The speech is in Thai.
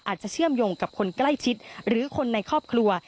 เชื่อมโยงกับคนใกล้ชิดหรือคนในครอบครัว